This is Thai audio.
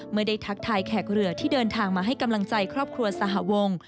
เมื่อได้ทักทายแขกเรือที่เดินทางมาให้กำลังใจครอบครัวสหวง